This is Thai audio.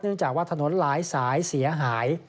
เนื่องจากว่าถนนหลายสายเสียหาย